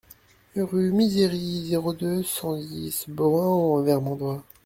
Rue Misery, zéro deux, cent dix Bohain-en-Vermandois